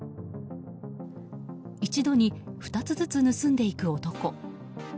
一度に２つずつ盗んでいく男。